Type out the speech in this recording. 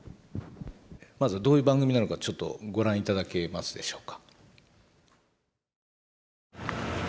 まずどういう番組なのかちょっとご覧いただけますでしょうか。